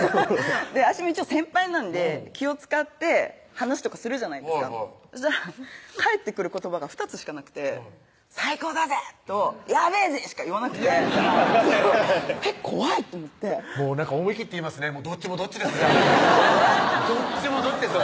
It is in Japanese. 私も一応先輩なんで気を遣って話とかするじゃないですかそしたら返ってくる言葉が２つしかなくて「最高だぜ！」と「やべぇぜ！」しか言わなくてそうえっ怖いと思ってもうなんか思い切って言いますねどっちもどっちですどっちもどっちですよ